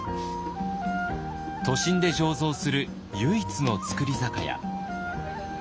都心で醸造する唯一の造り酒屋。